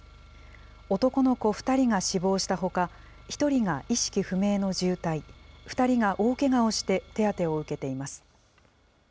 男の子２人が死亡したほか、１人が意識不明の重体、２人が大けがをして、手当てを受けています。